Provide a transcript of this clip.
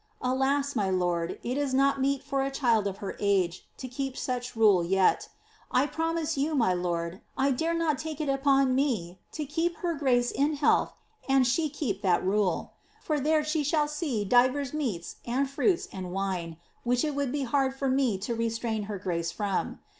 Alas, my lord, it is not meet for a child of her age :o kfep such rule yet. I promise you, my lord, I dare not take it upon me to ke«*p Itpr ^moe in health an* she keep that rule. For there she shall see divers niipits., and fruits, and wine, which it would be hard for me to restrain her imre from.